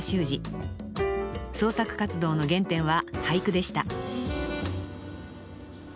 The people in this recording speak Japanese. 創作活動の原点は俳句でした